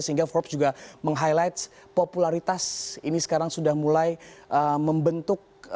sehingga forbes juga meng highlights popularitas ini sekarang sudah mulai membentuk